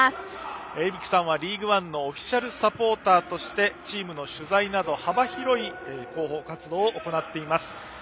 依吹さんはリーグワンのオフィシャルサポーターとしてチームの取材など幅広い広報活動を行っています。